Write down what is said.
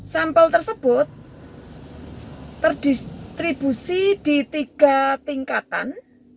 sampel tersebut terdistribusi di tiga tingkatan